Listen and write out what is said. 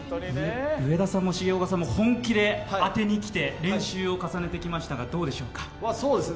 上田さんも重岡さんも本気で当てにきて練習を重ねてきましたが、どうでしょうか。